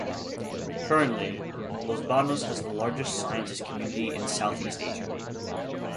Currently, Los Banos has the largest scientist community in South East Asia.